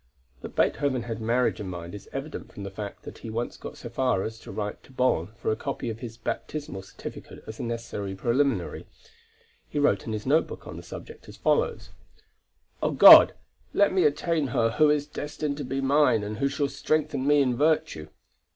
That Beethoven had marriage in mind is evident from the fact that he once got so far as to write to Bonn for a copy of his baptismal certificate as a necessary preliminary. He wrote in his note book on the subject as follows: "Oh God! Let me attain her who is destined to be mine and who shall strengthen me in virtue."